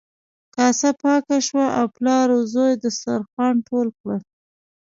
کاسه پاکه شوه او پلار او زوی دسترخوان ټول کړل.